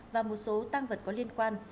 và một số tăng vật có liên quan